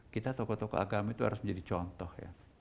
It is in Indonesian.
kita tokoh tokoh agama itu harus menjadi contoh ya